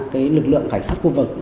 cái lực lượng cảnh sát khu vực